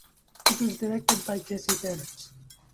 It was directed by Jesse Peretz.